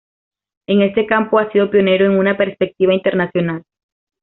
En este campo ha sido pionero en una perspectiva internacional.